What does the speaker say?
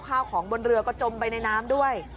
ข้าวของบนเรือก็จมไปในน้ำด้วย